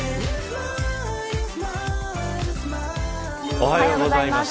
おはようございます。